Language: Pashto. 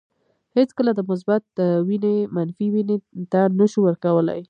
هیڅکله د مثبت وینه منفي وینې ته نشو ورکولای.